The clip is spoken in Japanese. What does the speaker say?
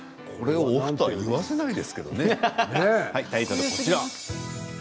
真ん中はこれはオフとは言わせないんですけどね。